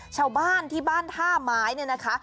ชาวบ้านที่บ้านท่าไม้เนี่ยนะคะ